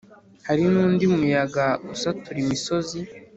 Hari n’undi muyaga usatura imisozi,